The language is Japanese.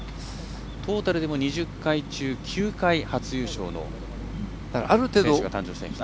トータルでも２０回中９回初優勝の選手が誕生しています。